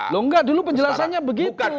loh enggak dulu penjelasannya begitu